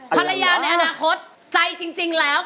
ภรรยาในอนาคตใจจริงแล้ว